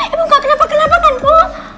ibu gak kenapa kenapa kan bu